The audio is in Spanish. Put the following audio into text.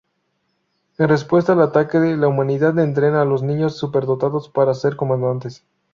En respuesta al ataque, la Humanidad entrena a los niños superdotados para ser comandantes.